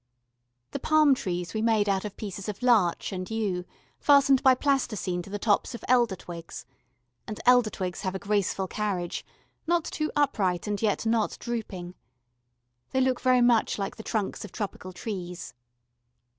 The palm trees we made out of pieces of larch and yew fastened by Plasticine to the tops of elder twigs and elder twigs have a graceful carriage, not too upright and yet not drooping. They look very like the trunks of tropical trees.